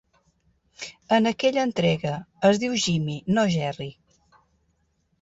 En aquella entrega, es diu Jimmy, no Jerry.